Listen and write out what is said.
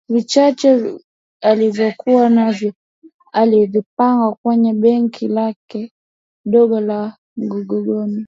Vichache alivyokuwa navyo alivipanga kwenye begi lake dogo la mgongoni